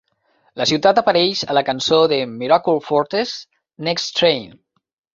La ciutat apareix a la cançó de Miracle Fortress "Next Train".